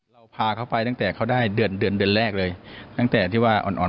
เราพาเขาไปตั้งแต่เขาได้เดือนเดือนแรกเลยตั้งแต่ที่ว่าอ่อนอ่อน